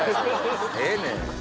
ええねん。